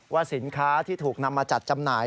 สินค้าที่ถูกนำมาจัดจำหน่าย